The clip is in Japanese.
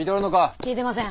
聞いてません。